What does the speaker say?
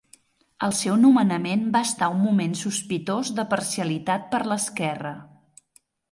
El seu nomenament va estar un moment sospitós de parcialitat per l'esquerra.